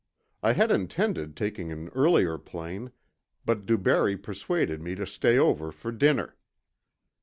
I had intended taking an earlier plane, but DuBarry persuaded me to stay over for dinner.